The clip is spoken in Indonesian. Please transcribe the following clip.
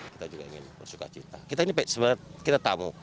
kita juga ingin bersuka cita kita ini sebenarnya kita tamu